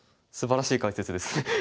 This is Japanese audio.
すばらしい解説ですね。